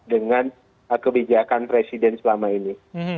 dengan kebijakan presiden selama ini